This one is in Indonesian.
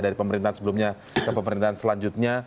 dari pemerintahan sebelumnya ke pemerintahan selanjutnya